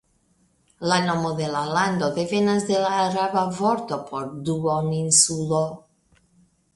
La nomo de la lando devenas de la araba vorto por duoninsulo.